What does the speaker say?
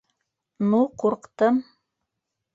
Ну ҡурҡтым.